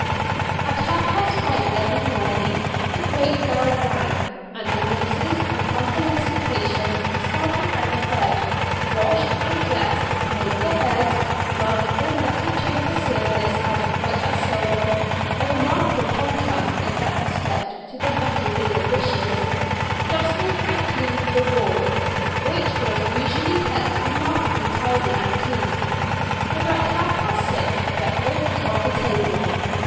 At half past five every morning the great bell rang, and the nurses and convalescent patients started out of bed, washed and dressed, made their beds, rubbed their metal chamber service as bright as silver a remarkable contrast in that respect to the metal dinner dishes dusted and cleaned the ward, which was usually kept remarkably tidy and clean. About half past six breakfast was on the table.